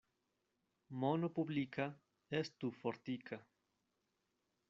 Mono publika estu fortika.